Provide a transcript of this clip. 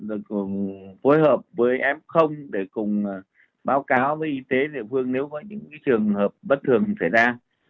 được phối hợp với f để cùng báo cáo với y tế địa phương nếu có những trường hợp bất thường xảy ra